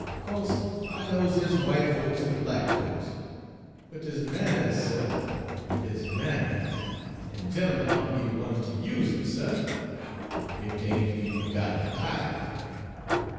Co'se I knows dere's w'ite folks an' black folks, but dere's manners, suh, dere's manners, an' gent'emen oughter be de ones ter use 'em, suh, ef dey ain't ter be fergot enti'ely!"